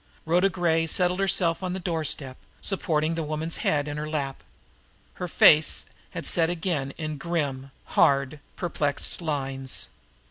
Rhoda Gray settled herself on the doorstep, supporting the woman's head in her lap. Her face had set again in grim, hard, perplexed lines.